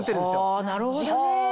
はぁなるほどね。